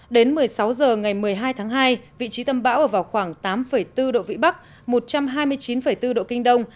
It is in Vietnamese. đến một mươi sáu h ngày một mươi hai tháng hai vị trí tâm bão ở vào khoảng tám bốn độ vĩ bắc một trăm hai mươi chín bốn độ kinh đông